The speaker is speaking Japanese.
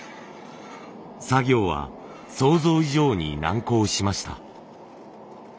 作業は想像以上に難航しました。